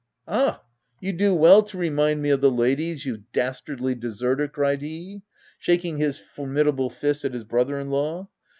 "Ah! you do well to remind me of the ladies, you dastardly deserter," cried he, shaking hi formidable fist at his brother in law